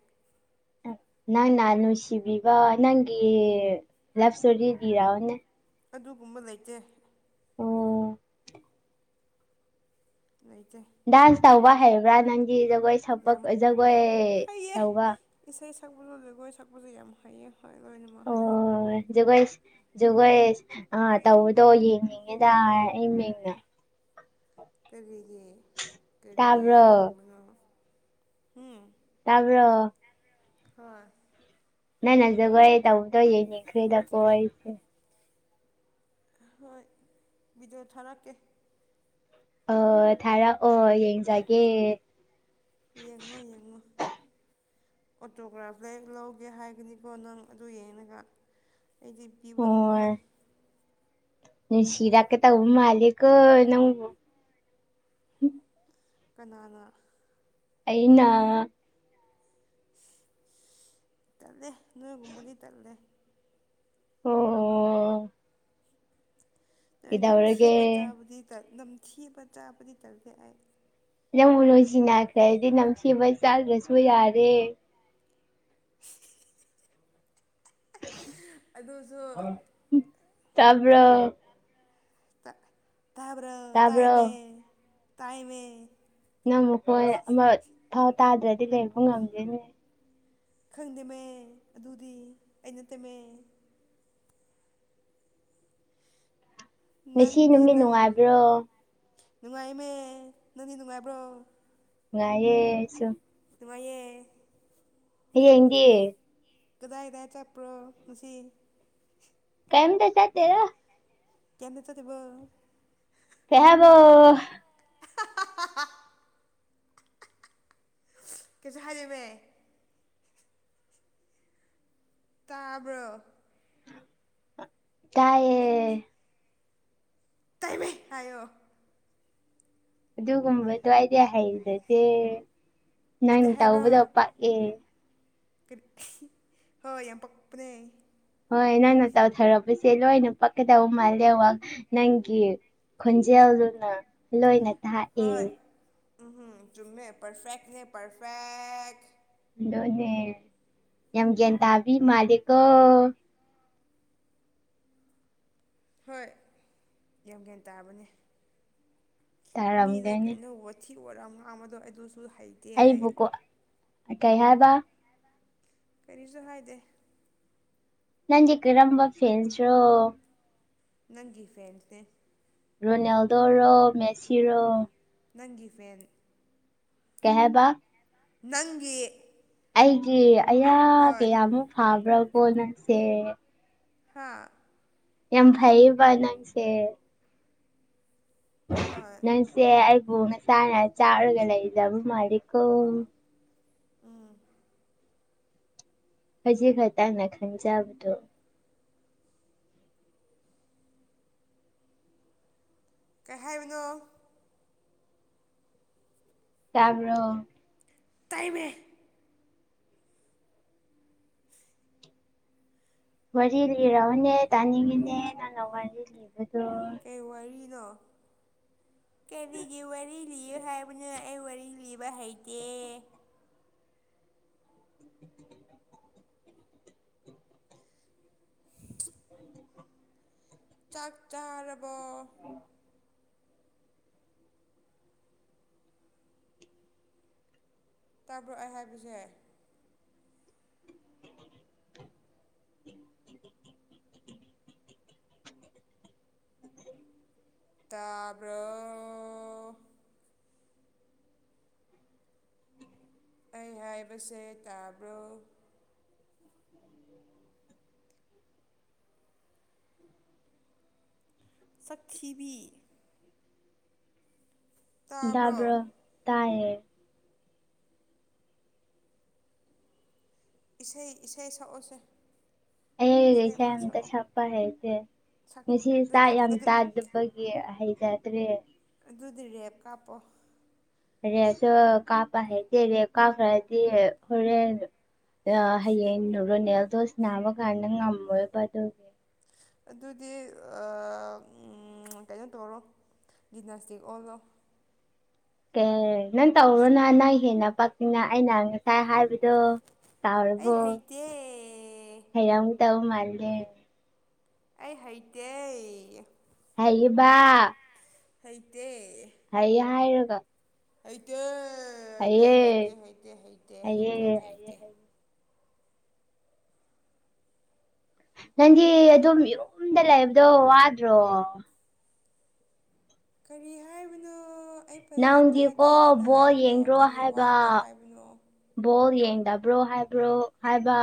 ꯅꯪ ꯅꯜꯁꯤꯕꯕ ꯅꯪꯒꯤ ꯂꯕ ꯁꯇꯣꯔꯤꯤꯔꯥꯅ ꯑꯗꯨꯒꯨꯝꯕ ꯂꯩꯇꯦ ꯑꯣ ꯂꯩꯇꯦ ꯗꯥꯟꯁ ꯇꯧꯕ ꯍꯥꯏꯕ꯭ꯔꯥ ꯅꯪꯒꯤ ꯖꯒꯣꯏ ꯁꯄ ꯌꯥꯝ ꯖꯒꯣꯏ ꯍꯩꯌꯦ ꯇꯧꯕ ꯏꯁꯩ ꯁꯛꯄꯁꯨ ꯖꯒꯣꯏ ꯁꯛꯄꯁꯨ ꯌꯥꯝ ꯍꯩꯌꯦ ꯍꯣꯏ ꯂꯣꯏꯅꯃꯛ ꯍꯥꯏꯌꯦ ꯖꯨꯒꯣꯏꯁ ꯑ ꯇꯧꯕꯗꯣ ꯌꯦꯡꯅꯤꯡꯉꯦꯗ ꯏ ꯃꯤꯡꯅ ꯀꯔꯤꯒꯤ ꯀꯔꯤꯒꯤ ꯇꯥꯕ꯭ꯔꯣ ꯌꯦꯡꯕꯅꯣ ꯎꯝ ꯇꯥꯕ꯭ꯔꯣ ꯍꯣꯏ ꯅ ꯅ ꯖꯒꯣꯏ ꯇꯧꯗꯅꯤꯈꯔꯤꯗꯀꯁꯦ ꯍꯣꯏ ꯕꯤꯗꯤꯑꯣ ꯊꯥꯔꯛꯀꯦ ꯑ ꯊꯥꯔꯛꯑꯣ ꯌꯦꯡꯖꯒꯦ ꯌꯦꯡꯉꯣ ꯌꯦꯡꯉꯣ ꯑꯣꯇꯣꯒ꯭ꯔꯥꯐ ꯂꯦꯛ ꯂꯧꯒꯦ ꯍꯥꯏꯒꯅꯤꯀꯣ ꯅꯪ ꯑꯗꯨ ꯌꯦꯡꯉꯒ ꯑꯩꯗꯤ ꯄꯤꯕ ꯉꯝꯃꯣꯏ ꯁꯤꯔ ꯀꯦ ꯇꯧꯕ ꯃꯥꯂꯤꯛꯀꯣ ꯅꯪꯕꯨ ꯀꯅꯥꯅ ꯑꯩꯅ ꯇꯂꯦ ꯅꯣꯏ ꯀꯨꯝꯕꯅꯤ ꯇꯂꯦ ꯑꯣ ꯅ ꯀꯩꯗꯧꯔꯒꯦ ꯅꯝꯊꯤꯕ ꯆꯥꯕꯨꯗꯤ ꯅꯝꯊꯤꯕ ꯆꯥꯕꯗꯤ ꯇꯜꯂꯦ ꯑꯩ ꯅꯪ ꯃꯅꯣꯖꯤ ꯅꯥꯈ꯭ꯔꯦ ꯍꯥꯏꯗꯤ ꯅꯝꯊꯕ ꯆꯥꯗ꯭ꯔꯁꯨ ꯌꯥꯔꯦ [unintelligible] ꯑꯗꯨꯁꯨ ꯇꯕꯔꯣ ꯇꯥꯕꯔꯣ ꯇꯥꯏꯃꯦ ꯇꯥꯕ꯭ꯔꯣ ꯇꯥꯏꯃꯦ ꯅꯪ ꯃꯈꯨ ꯀꯣꯏ ꯑꯃ ꯊꯥꯎ ꯇꯥꯗ꯭ꯔꯗꯤ ꯂꯩꯕ ꯉꯝꯗꯦꯅꯦ ꯈꯪꯗꯦꯃꯦ ꯑꯗꯨꯗꯤ ꯑꯩꯅ ꯇꯦꯝꯃꯦ ꯉꯁꯤ ꯅꯪꯒꯤ ꯅꯨꯃꯤꯠ ꯅꯪ ꯅꯨꯡꯉꯥꯏꯕ꯭ꯔꯣ ꯅꯨꯡꯉꯥꯏꯃꯦ ꯅꯪꯗꯤ ꯅꯨꯡꯉꯥꯏꯕ꯭ꯔꯣ ꯉꯥꯏꯌꯦꯁꯨ ꯅꯨꯡꯉꯥꯏꯌꯦ ꯍꯌꯦꯡꯗꯤ ꯀꯗꯥꯏꯗ ꯆꯞꯄ꯭ꯔꯣ ꯉꯁꯤ ꯀꯩꯝ ꯇ ꯆ ꯇꯦ ꯔ ꯀꯦꯝ ꯇ ꯆꯠꯇꯕꯣ ꯆꯥꯛꯑꯕꯣ ꯀꯩꯁꯨ ꯍꯥꯏꯔꯝꯃꯦ ꯇꯥꯕ꯭ꯔꯣ ꯇꯥꯏꯌꯦ ꯇꯥꯏꯃꯦ ꯍꯥꯏꯌꯣ ꯑꯗꯨꯒꯨꯝꯕ ꯑꯗꯨꯋꯥꯏꯗꯤ ꯍꯩꯖꯗꯦ ꯅꯪ ꯍꯩꯇ ꯍꯥꯏꯕ꯭ꯔꯣ ꯇꯧꯕꯗ ꯄꯛꯑꯦ ꯀꯔꯤ ꯍꯣꯏ ꯌꯥꯝ ꯄꯛꯄꯅꯦ ꯍꯣꯏ ꯅꯪꯅ ꯇꯧꯊꯔꯛꯄꯁꯦ ꯂꯣꯏꯅ ꯄꯛꯀꯗꯧꯕ ꯃꯥꯜꯂꯦꯕ ꯋꯥ ꯅꯪꯒꯤ ꯈꯣꯟꯖꯦꯜꯗꯨꯅ ꯂꯣꯏꯅ ꯊꯥꯛꯑꯦ ꯎꯍꯨꯝ ꯆꯨꯝꯃꯦ ꯄꯔꯐꯦꯛꯅꯦ ꯄꯔꯐꯦꯛ [unintelligible] ꯌꯥꯝ ꯒ꯭ꯌꯥꯟ ꯇꯥꯕꯤ ꯃꯥꯂꯦꯀꯣ ꯍꯣꯏ ꯌꯥꯝꯒꯌꯥꯟ ꯇꯥꯕꯅꯦ ꯃꯤꯗ ꯇꯥꯔꯝꯒꯅꯤ ꯀꯩꯅꯣ ꯋꯥꯊꯤ ꯑꯣꯔꯝꯉꯥꯡꯕꯗꯣ ꯑꯗꯨꯁꯨ ꯍꯩꯇꯦ ꯑꯩ ꯑꯩꯕꯨꯀꯣ ꯀꯩ ꯍꯥꯏꯕ ꯀꯔꯤꯁꯨ ꯍꯥꯏꯗꯦ ꯅꯟꯖꯤ ꯀ ꯔꯝꯕ ꯐꯦꯟꯁꯨꯔꯣ ꯅꯪꯒꯤ ꯐꯦꯟꯁꯅꯦ ꯔꯣꯅꯥꯜꯗꯣ ꯔꯣ ꯃꯦꯁꯤ ꯔꯣ ꯅꯪꯒꯤ ꯐꯦꯟ ꯀꯩ ꯍꯥꯏꯕ ꯅꯪꯒꯤ ꯑꯩꯒꯤ ꯑꯌꯥ ꯍꯣꯏ ꯀꯌꯥꯃ ꯐꯥꯕ꯭ꯔꯥꯕꯣ ꯅꯪꯁꯦ ꯍꯥꯥ ꯌꯥꯝ ꯐꯩꯌꯦꯕ ꯅꯪꯁꯦ ꯍꯣꯏ ꯅꯟꯁꯦ ꯑꯩ ꯕꯨ ꯅꯆ ꯆꯥꯔꯒ ꯂꯩꯁꯕ ꯃꯥꯂꯤꯀꯣ ꯎꯝ ꯈꯖꯤꯛ ꯈꯛꯇꯪꯅ ꯈꯟꯖꯕꯗꯣ ꯀꯩ ꯍꯥꯏꯕꯅꯣ ꯇꯕ꯭ꯔꯣ ꯇꯥꯏꯃꯦ ꯋꯥꯔꯤ ꯂꯤꯔꯔꯕꯅꯦ ꯇꯥꯅꯤꯡꯉꯤꯅꯦ ꯅꯪꯅ ꯋꯥꯔꯤ ꯂꯤꯕꯗꯣ ꯀꯩ ꯋꯥꯔꯤꯅꯣ ꯀꯔꯤꯒꯤ ꯋꯥꯔꯤ ꯂꯤꯌ ꯍꯥꯏꯕꯅꯦ ꯑꯩ ꯍ ꯂꯤꯕ ꯍꯩꯇꯦ [inaudible] [inaudible] ꯆꯥꯛ ꯆꯥꯔꯕ ꯇꯥꯕ꯭ꯔꯛꯑꯦ ꯍꯥꯏꯕꯁꯦ ꯇꯥꯕ꯭ꯔꯣ ꯑꯩ ꯍꯥꯏꯕꯁꯦ ꯇꯥꯕ꯭ꯔꯣ [inaudible] ꯁ꯭ꯤꯕꯤ ꯇꯥꯕ꯭ꯔꯣ ꯗꯕ꯭ꯔꯣ ꯇ ꯏꯁꯩ ꯏꯁꯩ ꯁꯛꯎꯁꯦ ꯍꯒꯩꯁꯇ ꯆꯄ ꯍꯥꯏꯦꯗꯤꯦ ꯁꯛ ꯉꯁꯤ ꯑꯗꯨ ꯆꯥꯛ ꯌꯥꯝ ꯑꯗꯨ ꯇꯥꯗꯕꯒꯤ ꯍꯩꯖꯗ꯭ꯔꯦ ꯇꯨꯗ꯭ꯔꯤꯔꯦꯞ ꯀꯥꯞꯄꯣ ꯑꯦꯆ ꯀꯥꯄ ꯍꯥꯏ ꯔꯦ ꯀꯥꯄ ꯔꯗꯤ ꯍꯔꯦꯟ ꯑ ꯍꯌꯦꯣꯅꯦꯗꯣꯁꯅꯅꯥꯕ ꯀꯅ ꯉꯃꯕꯗꯒꯦ ꯑꯗꯨꯗꯤ ꯀꯩꯅꯣ ꯇꯧꯔꯣ ꯖꯤꯝꯅꯥꯁꯇꯤꯛ ꯑꯣꯜꯂꯣ ꯀꯦ ꯅꯪ ꯇꯧꯔꯣ ꯖꯨ- ꯅꯍ ꯅ ꯍꯦꯟꯅ ꯄꯥꯛꯇꯅ ꯑꯩꯅ ꯉꯥꯏ ꯍꯥꯏꯕꯗꯣ ꯑꯩ ꯀꯥꯎꯔꯕꯣ ꯍꯩꯇꯦ ꯍꯩꯔꯡ ꯇ ꯃꯥꯜꯜꯂꯤꯦ ꯑꯗꯦ ꯑꯩ ꯍꯩꯇꯦ ꯇꯕ ꯑꯥꯏꯇ ꯍꯏꯔꯒ ꯍꯩꯇꯇ ꯍꯇ ꯍꯩꯇ ꯍꯩꯇ ꯍꯩꯌꯦ ꯍꯩꯇ ꯍꯩꯌꯦ ꯊꯩꯇ ꯍꯩ ꯅꯪꯗꯤ ꯑꯗꯨꯝ ꯌꯨꯝꯗ ꯂꯩꯕꯗꯣ ꯋꯥꯗ꯭ꯔꯣ ꯀꯔꯤ ꯍꯥꯏꯕꯅꯣ ꯑꯩ ꯐꯖꯅ ꯅꯪꯒꯤꯀꯣ ꯇꯥꯗꯦ ꯅꯪꯅ ꯕꯣꯜ ꯍꯥꯏꯕꯗꯣ ꯌꯦꯡꯗ꯭ꯔꯣ ꯀꯔꯤ ꯍꯥꯏꯕ ꯋꯥꯕ꯭ꯔꯣ ꯍꯥꯏꯕꯅꯣ ꯕꯣꯜ ꯌꯦꯡ ꯗꯕ꯭ꯔꯣ ꯍꯥꯏꯕ꯭ꯔꯣ ꯍꯥꯏꯕ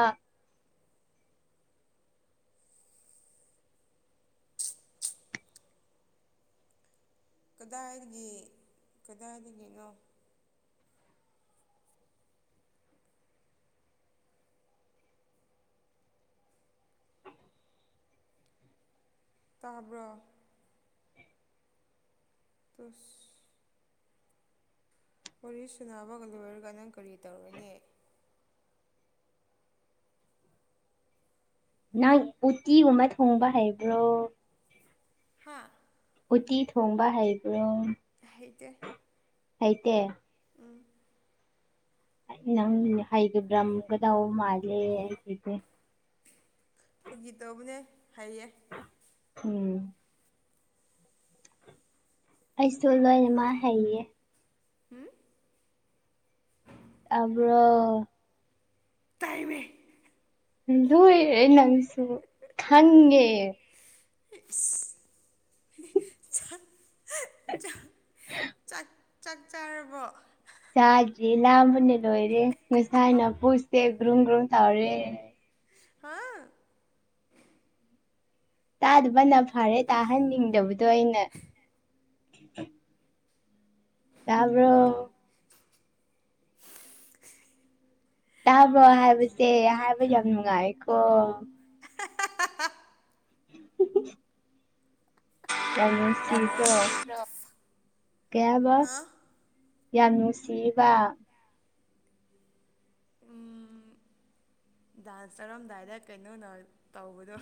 ꯀꯗꯥꯏꯗꯒꯤ ꯀꯗꯥꯏꯗꯒꯤꯅꯣ ꯇꯥꯕ꯭ꯔꯣ ꯇꯁ ꯋꯥꯔꯤ ꯁꯨꯅꯕꯒ ꯂꯣꯏꯔꯒ ꯅꯪ ꯀꯔꯤ ꯇꯧꯔꯣꯏꯅꯦ ꯅꯪ ꯎꯇꯤꯒꯨꯝꯕ ꯊꯣꯡꯕ ꯍꯩꯕ꯭ꯔꯣ ꯍꯥ ꯎꯇꯤ ꯊꯣꯡꯕ ꯍꯩꯕ꯭ꯔꯣ ꯍꯩꯇꯦ ꯑꯥꯏꯇ ꯅꯪ ꯍꯒ ꯭ꯔꯃꯒꯗ ꯃꯥꯂꯦ ꯍꯥꯏꯦ ꯐꯈꯣꯏꯒꯤ ꯇꯧꯕꯅꯦ ꯍꯥꯏꯌꯦ ꯎꯝ ꯑꯩꯁꯨ ꯂꯣꯏꯅꯃꯛ ꯍꯩꯌꯦ ꯑꯝ ꯑꯕ꯭ꯔꯣ ꯇꯥꯏꯃꯦ ꯂꯦ ꯅꯪꯁꯨ ꯍꯪꯦ [inaudible] ꯆꯥꯛ ꯆꯥꯛ ꯆꯥꯛ ꯆꯥꯛ ꯆꯥꯔꯕꯣ ꯆꯥꯁꯤꯦ ꯂꯥꯕꯅ ꯂꯣꯏꯔꯦ ꯉꯁꯥꯏꯅ ꯄꯨꯁꯦ ꯒ꯭ꯔꯨꯝ ꯒ꯭ꯔꯨꯝ ꯇꯧꯔꯦ ꯍꯥꯥ ꯇꯥꯗꯕꯅ ꯐꯔꯦ ꯇꯥꯍꯟꯅꯤꯡꯗꯕꯗꯣ ꯑꯩꯅ ꯌꯥꯕ꯭ꯔꯣ ꯇꯥꯕ꯭ꯔꯣ ꯗꯥꯟꯁ ꯍꯥꯏꯕꯁꯦ ꯍꯥꯏꯕ ꯌꯥꯝ ꯅꯨꯡꯉꯥꯏꯀꯣ [inaudible] [inaudible] ꯌꯥꯝꯅꯁꯤꯇ꯭ꯔꯣ ꯀꯌꯥꯕ ꯍꯥ ꯌꯥꯝ ꯅꯨꯡꯁꯤꯕ ꯎꯝ ꯗꯥꯟꯁ ꯇꯥꯔꯝꯗꯥꯏꯗ ꯀꯩꯅꯣꯅ ꯇꯧꯕꯗꯣ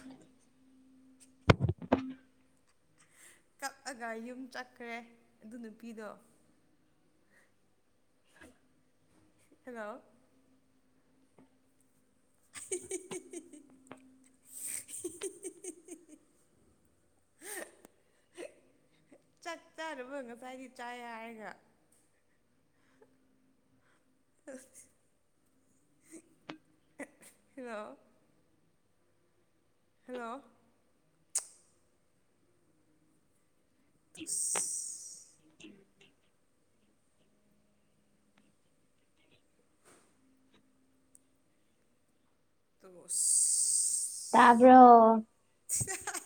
ꯀꯛꯑꯒ ꯌꯨꯝ ꯆꯠꯈ꯭ꯔꯦ ꯑꯗꯨ ꯅꯨꯄꯤꯗꯣ ꯍꯜꯂꯣ [inaudible] ꯍ ꯆꯥꯛ ꯆꯥꯔꯨꯕ ꯉꯁꯥꯏꯗꯤ ꯆꯥꯏ ꯍꯥꯏꯔꯒ ꯍꯂꯣ ꯍꯜꯂꯣ [inaudible] ꯇ ꯇꯕꯔ ꯆ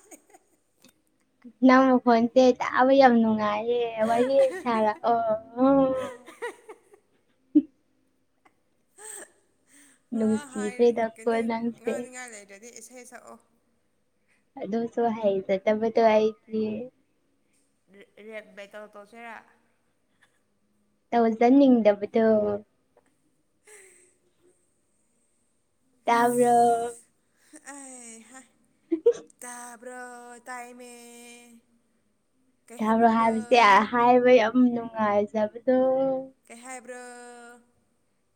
ꯅꯃꯒ ꯐꯇꯦ ꯌꯥ ꯌꯕꯅꯅꯨꯡꯥꯏ ꯋꯥꯔꯤ ꯁꯔ ꯑꯣ ꯋꯥ ꯂꯨꯁꯤ ꯍꯥꯏ ꯀ꯭ꯔꯦꯗꯈꯣ ꯅꯪꯁꯦ ꯊꯦ ꯁꯛꯑꯣ ꯑꯗꯨ ꯑꯗꯨꯣꯁꯨꯣ ꯍꯥꯏ ꯆ ꯇ ꯃꯗꯨ ꯍꯥꯏꯏ ꯔꯦꯕꯩꯇꯂ ꯇꯣꯁꯤꯔꯥ ꯇꯧꯖꯟꯅꯤꯡ ꯗꯕꯗꯨ ꯌꯥꯕ ꯑ ꯍ ꯇꯥꯕ꯭ꯔꯣ ꯇꯥꯏꯃꯦ ꯀꯩ ꯊꯔꯣ ꯍꯥꯏꯅꯤꯡꯕ꯭ꯔꯥ ꯍꯥꯏꯕꯁꯦ ꯍꯥꯏꯕ ꯌꯥꯝ ꯅꯨꯡꯉꯥꯏꯖꯕꯗꯣ ꯀꯩ ꯍꯥꯏꯕ꯭ꯔꯥ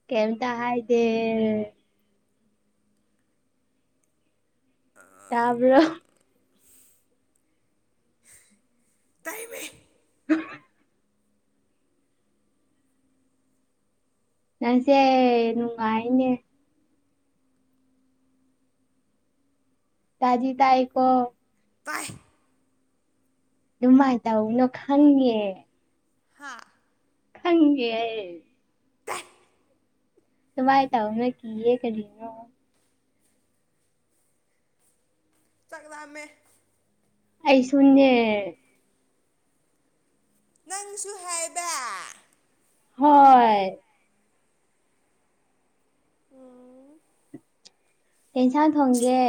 ꯀꯝ ꯇ ꯍꯥꯏꯗꯤ ꯇꯕꯔ ꯇꯥꯏꯕ ꯎ ꯅꯁꯦ ꯅꯨ ꯉꯏꯅꯦꯦ ꯇꯥꯖꯤ ꯇ ꯑꯀꯣ ꯏ ꯑꯗꯨꯅꯨꯡꯃꯥꯏ ꯇ ꯎꯅ ꯈꯪꯦ ꯍꯥ ꯈꯪꯤ ꯇꯃꯥꯏ ꯇꯅ ꯀ ꯌꯦ ꯀꯔꯤꯅ ꯆꯥꯛꯂꯝꯝꯃꯦ ꯑꯩꯁꯨ ꯅꯪꯁꯨ ꯍꯥꯏꯕ ꯍꯣꯏ ꯎꯝ ꯇꯦꯟꯁꯥꯡ ꯊꯣꯡꯒꯦ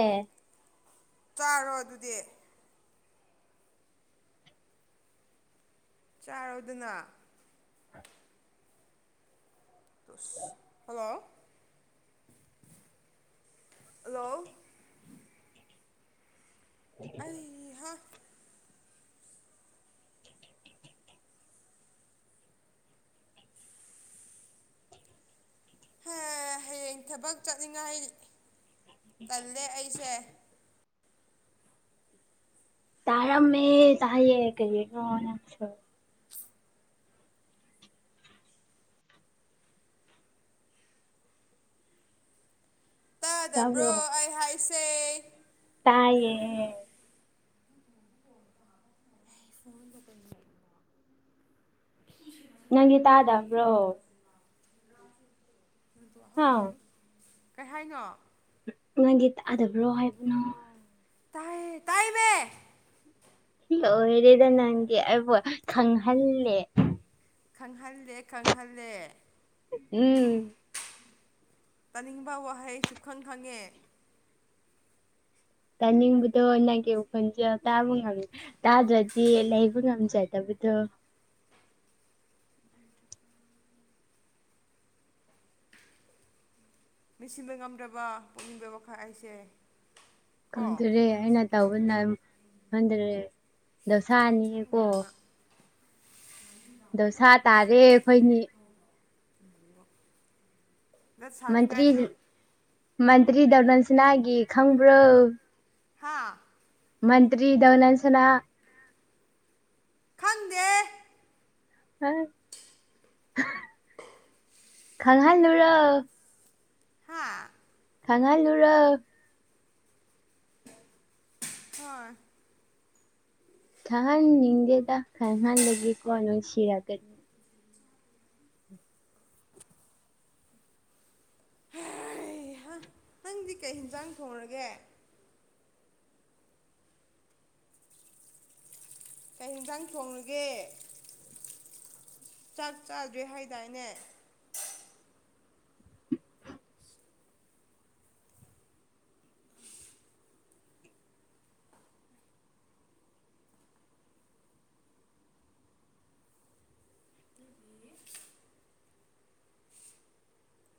ꯆꯥꯔꯣ ꯑꯗꯨꯗꯤ ꯆꯥꯔꯣꯏꯗꯅ ꯍꯜꯂꯣ ꯍꯂꯣ ꯑꯍꯥ ꯍ ꯍꯌꯦꯡ ꯊꯕꯛ ꯆꯠꯅꯤꯡꯉꯥꯏ ꯆꯜꯂꯦ ꯑꯩꯁꯦ ꯇꯔꯥ ꯃ ꯇ ꯀꯩ ꯀ ꯇꯕ꯭ꯔꯣ ꯥꯁꯦ ꯇꯥꯏꯌꯦ ꯐꯣꯟꯗ ꯀ ꯅꯪꯒꯤ ꯇꯥꯗꯕ꯭ꯔꯣ ꯍꯥ ꯄ ꯀꯩ ꯍꯥꯏꯅꯣ ꯅꯪꯒꯤ ꯇꯛꯑꯗꯕ꯭ꯔꯣ ꯍꯥꯏꯕꯅꯣ ꯇꯥꯏ ꯇꯥꯏ ꯃ ꯑꯣꯏꯔꯦꯗ ꯅꯪꯒꯤ ꯑꯩꯕꯨ ꯈꯪꯍꯜꯂꯦ ꯈꯪꯍꯜꯂꯦ ꯈꯪꯍꯜꯂꯦ ꯎꯝ ꯇꯥꯅꯤꯡꯕ ꯋꯥꯍꯩ ꯁꯨꯈꯪ ꯈꯪꯉꯦ ꯇꯥꯅꯤꯡꯕꯗꯣ ꯅꯪꯒꯤ ꯎꯈꯨꯜꯁ ꯇꯥꯕ ꯉꯝꯃꯦ ꯇꯥꯗ꯭ꯔꯗꯤ ꯂꯩꯕ ꯉꯝꯖꯗꯕ ꯑꯗꯨꯗ ꯃꯁꯤꯕ ꯉꯝꯗ꯭ꯔꯕ ꯄꯨꯛꯅꯤꯡꯕ ꯋꯥꯈꯛ ꯑꯩꯁꯦ ꯀꯣ ꯀꯗꯔꯦ ꯑꯩꯅ ꯇꯧꯕꯅ ꯈꯟꯊꯔꯦ ꯗꯣꯁꯥꯅꯤꯀꯣ ꯆꯥꯡꯃꯛꯅ ꯑꯗꯧꯁ ꯇꯥꯔꯦ ꯑꯩꯈꯣꯏꯅꯤ ꯗ ꯁꯅꯤ ꯃꯟꯇ꯭ꯔꯤ ꯉꯒꯥꯥꯏꯆꯣ ꯃꯟꯇ꯭ꯔꯤ ꯗꯔꯅꯜꯁꯤꯅꯥꯒꯤ ꯈꯪꯕ꯭ꯔꯣ ꯍꯥꯥ ꯃꯟꯇ꯭ꯔꯤ ꯗꯅꯥꯟꯁꯤꯅꯥ ꯈꯪꯗꯦ ꯍ ꯈꯪꯍꯜꯂꯨꯔ ꯍꯥꯥ ꯊꯉꯥꯏꯂꯨꯔꯛ ꯍꯣꯏ ꯊꯍꯥꯟ ꯅꯤꯡꯗꯦꯗ ꯈꯔꯍꯥꯟ ꯂꯩꯗꯒꯤꯦ ꯀꯣꯅ ꯑꯣꯏ ꯁꯤꯔꯒ ꯅꯪꯗꯤ ꯀꯩ ꯌꯦꯟꯁꯥꯡ ꯊꯣꯡꯔꯒꯦ ꯀꯩ ꯌꯦꯟꯁꯥꯡ ꯊꯣꯡꯉꯒꯦ ꯆꯥꯛ ꯆꯥꯗ꯭ꯔꯦ ꯍꯥꯏꯗꯥꯏꯅꯦ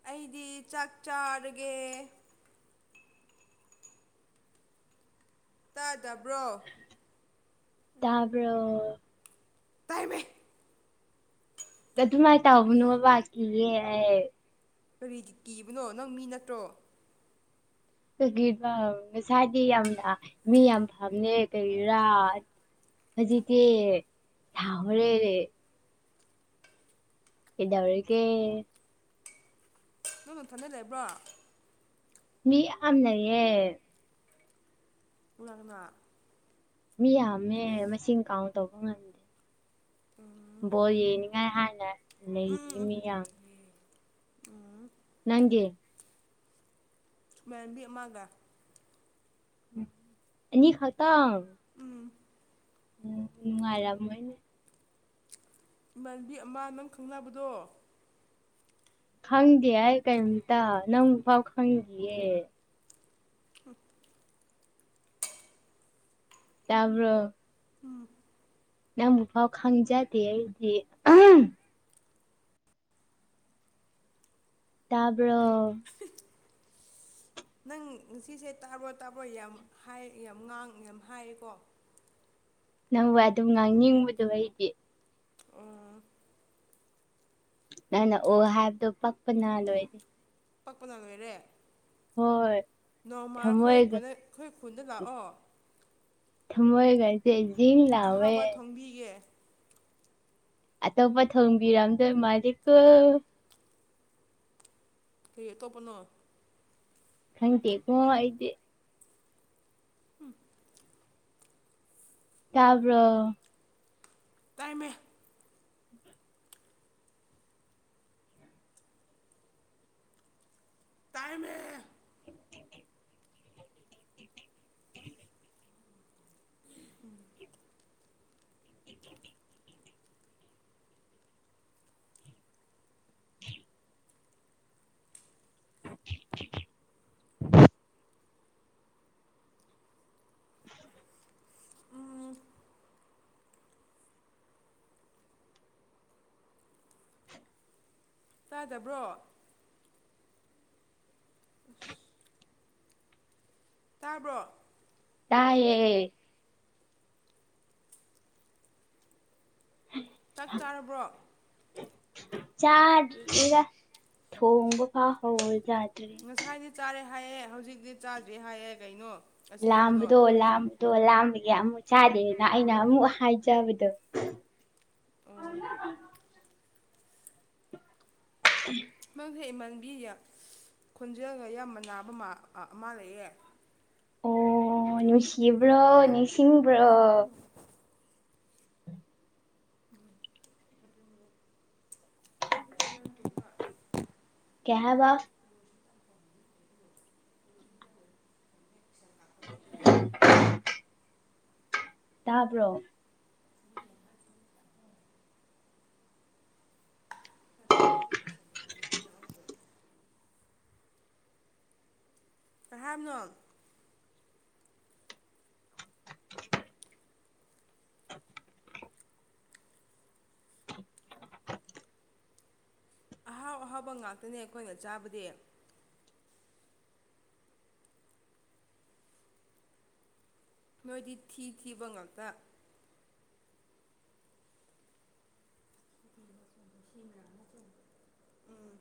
ꯑꯩꯗꯤ ꯆꯥꯛ ꯆꯥꯔꯒꯦ ꯇꯥꯗꯕ꯭ꯔꯣ ꯇꯄꯔ ꯇꯥꯏꯃꯦ ꯑꯗꯨꯃꯥꯏꯅ ꯇꯥꯧꯕꯅꯣ ꯕꯕꯥ ꯀꯤꯌꯦꯦ ꯍꯥꯏ ꯀꯔꯤꯗꯤ ꯀꯤꯕꯅꯣ ꯅꯪ ꯃꯤ ꯅꯠꯇ꯭ꯔꯣ ꯀ ꯉꯁꯥꯏꯗꯤ ꯌꯥꯝꯅ ꯃꯤ ꯌꯥꯝ ꯐꯝꯃꯦ ꯀ ꯔꯥꯠ ꯍꯧꯖꯤꯗꯤ ꯁꯍꯔꯦꯦ ꯏꯗꯧꯒ ꯅꯪꯅꯊꯟꯗ ꯂꯩꯕ꯭ꯔꯣ ꯃꯤ ꯑꯅꯌꯦ ꯎꯂꯅ ꯃꯤ ꯌꯥꯝꯃꯦ ꯃꯁꯤꯡ ꯀꯥꯎꯟ ꯇꯧꯕ ꯉꯝꯗꯦ ꯣ ꯌꯦꯅꯤ ꯍꯥꯏ ꯍꯅ ꯎꯝ ꯎꯝ ꯂꯩꯗꯤꯃꯤ ꯌꯥ ꯎꯝ ꯅꯪꯒꯤꯦ ꯃꯕꯤꯃꯒꯥ ꯅꯤ ꯈꯇꯝ ꯎꯝ ꯎꯝ ꯑꯔꯝ ꯑꯣꯏꯣꯏꯅꯦ ꯏꯃꯥꯟꯕꯤ ꯑꯃ ꯅꯪ ꯈꯪꯅꯕꯗꯣ ꯈꯪꯗꯦ ꯍꯥꯏ ꯀꯔꯤꯝꯇ ꯅꯪ ꯐꯥꯎ ꯈꯪꯈꯤꯌꯦ ꯑ ꯇꯕ꯭ꯔꯣ ꯅꯪꯕꯨꯐꯥꯎ ꯈꯪꯖꯗꯦꯗꯤ ꯇꯥꯔꯕ ꯅꯪ ꯁꯤꯁꯦ ꯇꯥꯔꯣ ꯇꯥꯕ꯭ꯔꯣ ꯌꯥꯝ ꯍꯥꯏ ꯌꯥꯝ ꯉꯥꯡ ꯌꯥꯝ ꯍꯥꯏꯌꯦꯀꯣ [inaudible] ꯅꯧꯕ ꯑꯗꯨꯝ ꯉꯥꯡꯅꯤꯡꯕꯗꯣ ꯑꯩꯗꯤ ꯑꯣ ꯅꯪ ꯅ ꯑꯣ ꯍꯥꯏꯕꯗꯣ ꯄꯛꯄꯅ ꯂꯣꯏꯔꯦ ꯄꯛꯄꯅ ꯂꯣꯏꯔꯦ ꯍꯣꯏ ꯅꯣꯡꯃꯈꯣꯏ ꯊꯃꯣꯏꯒ ꯀꯈ ꯈꯨꯟꯗ ꯂꯥꯛꯑꯣ ꯊꯝꯕꯣꯏꯒꯥꯏꯦꯦ ꯑꯍꯥꯎꯕ ꯊꯣꯡꯕꯤꯒꯦ ꯑꯇꯣꯞꯄ ꯊꯣꯡꯕꯤꯔꯝꯗꯣꯏ ꯃꯥꯖꯤꯀ ꯍ ꯇꯣꯄꯅꯣ ꯈꯪꯇꯦ ꯀꯣꯥꯏꯗꯦ ꯎꯝ ꯇꯕꯣ ꯇꯃꯦꯃꯦ ꯇꯥꯏꯃꯦ ꯊ [inaudible] ꯎꯝ ꯇꯥꯗꯕ꯭ꯔꯣ ꯇꯥꯕ꯭ꯔꯣ ꯌꯥꯌꯦꯦ ꯇꯛ ꯇꯥꯔꯕ꯭ꯔꯣ ꯆꯥꯗ꯭ꯔꯤꯒ ꯊꯣꯡꯕ ꯐꯥꯎꯍꯋ ꯉꯁꯥꯏꯗꯤ ꯆꯥꯔꯦ ꯍꯥꯏꯑꯦ ꯍꯧꯖꯤꯛꯇꯤ ꯆꯥꯗ꯭ꯔꯤ ꯍꯥꯏꯑꯦ ꯀꯩꯅꯣ ꯑꯁꯦꯡꯕꯗꯣ ꯂꯝꯕꯗꯣ ꯂ ꯑꯣ ꯂꯥꯝꯕꯒꯤ ꯑꯃꯨꯛ ꯆꯥꯗꯦꯅ ꯑꯩꯅ ꯑꯃꯨꯛ ꯍꯥꯏꯖꯕꯗꯣ ꯍ ꯑꯣ ꯎ ꯑꯗꯨ ꯍꯦꯛꯃꯥꯟꯕꯤ ꯈꯣꯟꯖꯦꯜꯒ ꯌꯥꯝꯅ ꯅꯥꯕ ꯑꯃ ꯂꯩꯑꯦ ꯑꯣ ꯅꯨꯡꯁꯤꯕ꯭ꯔꯣ ꯅꯤꯡꯁꯤꯡꯁꯤꯡꯕ꯭ꯔꯣ ꯀꯌꯥꯦꯕ [inaudible] ꯇꯥꯔꯕ꯭ꯔꯣ ꯀꯍꯥꯝ ꯅꯣ ꯑꯍꯥꯎ ꯑꯍꯥꯎꯕ ꯉꯥꯛꯇꯅꯦ ꯑꯩꯈꯣꯏꯅ ꯆꯥꯕꯗꯤ ꯅꯣꯏꯗꯤ ꯊꯤ ꯊꯤꯕꯉꯜꯇ ꯎꯝ